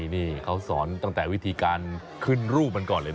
นี่เขาสอนตั้งแต่วิธีการขึ้นรูปมันก่อนเลยนะ